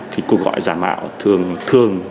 thì cuộc gọi dạng bảo thường